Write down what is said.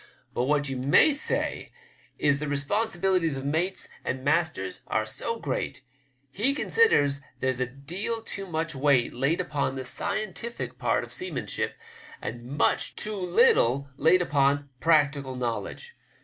But what ye may say is the responsibilities of mates and masters are so great, he considers there's a deal too much weight laid upon the scientific part of seamanship* and much too much too little laid upon practical knowledge.